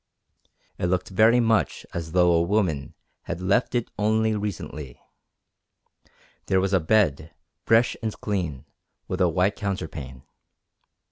It looked very much as though a woman had left it only recently. There was a bed, fresh and clean, with a white counterpane.